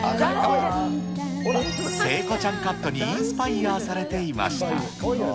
聖子ちゃんカットにインスパイアされていました。